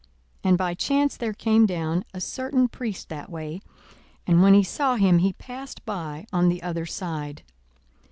42:010:031 And by chance there came down a certain priest that way: and when he saw him, he passed by on the other side.